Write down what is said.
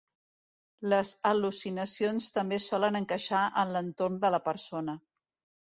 Les al·lucinacions també solen encaixar en l'entorn de la persona.